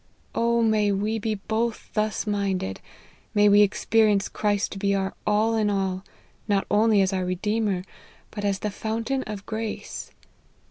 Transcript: O may we be both thus minded ! may we experience Christ to be our all in all, not only as our Redeemer, but as the fountain of grace.